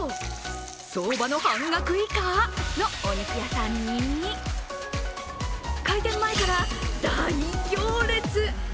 相場の半額以下のお肉屋さんに開店前から大行列。